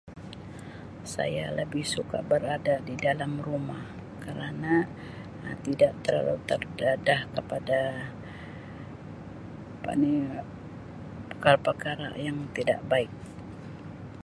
Saya lebih suka berada di dalam rumah kerana Um tidak terlalu terdedah kepada apa ni perkara-perkara yang tidak baik.